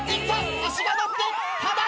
足が乗ってただ。